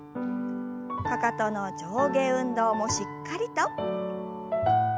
かかとの上下運動もしっかりと。